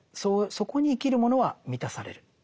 そこに生きるものは満たされる。